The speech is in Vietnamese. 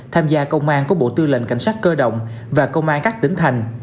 tham gia công an có bộ tư lệnh cảnh sát cơ động và công an các tỉnh thành